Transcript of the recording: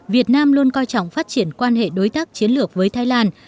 việt nam luôn coi trọng phát triển quan hệ đối tác chiến lược với thái lan